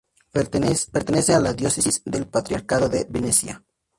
Pertenece a la diócesis del Patriarcado de Venecia.